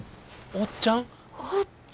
おっちゃん！